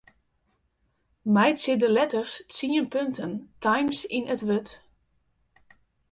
Meitsje de letters tsien punten Times yn it wurd.